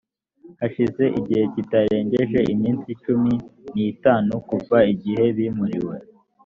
hashize igihe kitarengeje iminsi cumi n itanu kuva igihe bimuriwe